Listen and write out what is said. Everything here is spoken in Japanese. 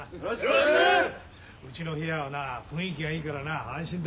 うちの部屋はなあ雰囲気がいいからな安心だ。